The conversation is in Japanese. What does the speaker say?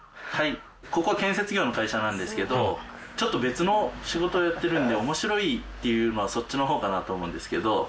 はいここ建設業の会社なんですけどちょっと別の仕事をやってるんで面白いっていうのはそっちのほうかなと思うんですけど。